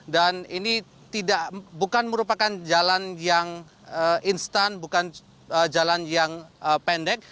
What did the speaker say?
dan ini bukan merupakan jalan yang instan bukan jalan yang pendek